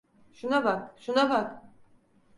Şuna bak, şuna bak.